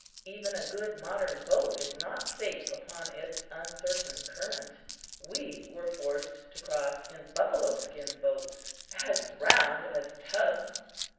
Even a good modern boat is not safe upon its uncertain current. We were forced to cross in buffalo skin boats as round as tubs!